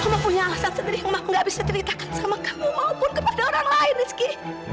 kamu punya alasan sendiri yang aku gak bisa ceritakan sama kamu maupun kepada orang lain rizky